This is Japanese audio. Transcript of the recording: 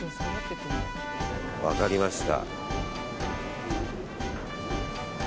分かりました。